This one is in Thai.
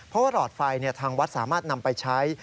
เพราะว่าหลอดไฟทางวัดสามารถนำไปใช้